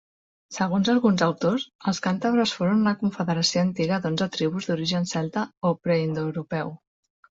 Segons alguns autors, els càntabres foren una confederació antiga d'onze tribus d'origen celta o preindoeuropeu.